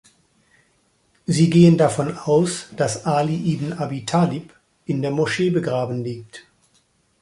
Sie gehen davon aus, dass "Ali ibn Abi Talib" in der Moschee begraben liegt.